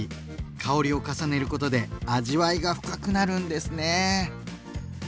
香りを重ねることで味わいが深くなるんですね。